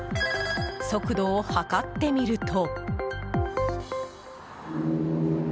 速度を測ってみると。